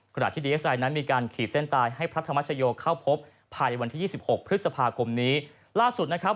ที่ดีเอสไอนั้นมีการขีดเส้นตายให้พระธรรมชโยเข้าพบภายในวันที่ยี่สิบหกพฤษภาคมนี้ล่าสุดนะครับ